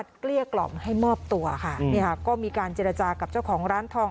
เกลี้ยกล่อมให้มอบตัวค่ะเนี่ยค่ะก็มีการเจรจากับเจ้าของร้านทอง